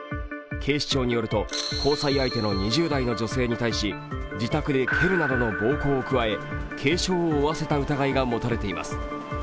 警視庁によると交際相手の２０代の女性に対し自宅で蹴るなどの暴行を加え軽傷を負わせた疑いが持たれています。